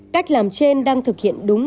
cách làm trên đang thực hiện đúng